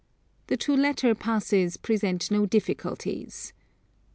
The two latter passes present no difficulties.